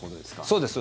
そうです。